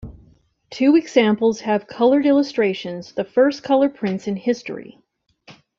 Two examples have colored illustrations, the first color prints in history.